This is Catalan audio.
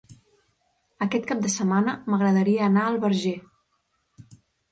Aquest cap de setmana m'agradaria anar al Verger.